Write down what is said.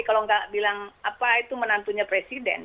kalau nggak bilang apa itu menantunya presiden